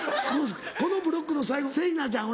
このブロックの最後聖菜ちゃん